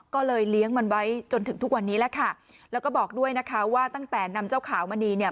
ก็เลยเลี้ยงมันไว้จนถึงทุกวันนี้แหละค่ะแล้วก็บอกด้วยนะคะว่าตั้งแต่นำเจ้าขาวมณีเนี่ย